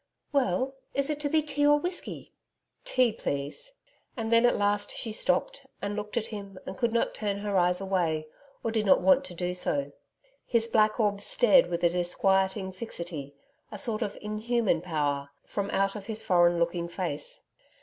'Well, is it to be tea or whiskey?' 'Tea, please,' and then at last she stopped and looked at him and could not turn her eyes away, or did not want to do so. His black orbs stared with a disquieting fixity a sort of inhuman power from out of his foreign looking face.